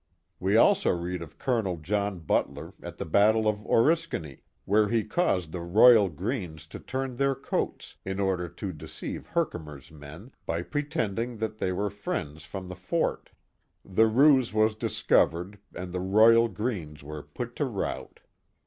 We also read of Colonel John Butler at the battle of Oriskany, where he caused the Royal Greens to turn their coats in order to deceive Herkimer's men, by pretending that they were Accounts of the Notorious Butler Family 221 friends from the fort. The ruse was discovered, and the Royal Greens were put to rout.